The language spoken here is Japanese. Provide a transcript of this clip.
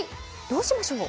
どうしましょう？